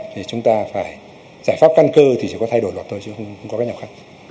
thì chúng ta phải giải pháp căn cơ thì chỉ có thay đổi luật thôi chứ không có cái nào khác